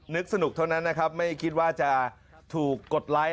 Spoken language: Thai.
สนุกเท่านั้นนะครับไม่คิดว่าจะถูกกดไลค์